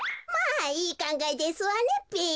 まあいいかんがえですわねべ。